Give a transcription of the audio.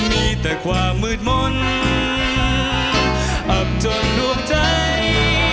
มีแต่ความมืดมนต์อับจนดวงใจ